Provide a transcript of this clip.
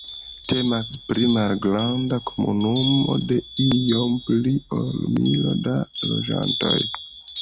Temas pri malgranda komunumo de iom pli ol milo da loĝantoj.